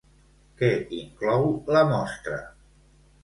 Què inclou la mostra?